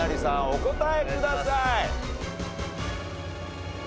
お答えください。